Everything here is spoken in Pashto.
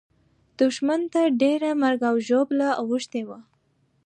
دښمن ته ډېره مرګ او ژوبله اوښتې وه.